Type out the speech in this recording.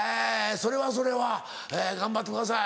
それはそれは頑張ってください。